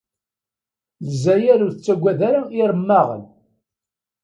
Lezzayer ur tettaggad ara iremmaɣen.